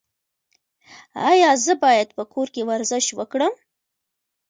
ایا زه باید په کور کې ورزش وکړم؟